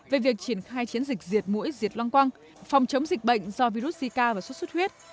về việc triển khai chiến dịch diệt mũi diệt loang quang phòng chống dịch bệnh do virus zika và xuất xuất huyết